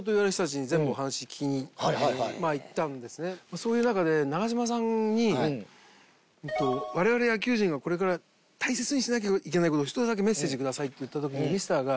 そういう中で長嶋さんに我々野球人がこれから大切にしなきゃいけない事１つだけメッセージくださいって言った時にミスターが。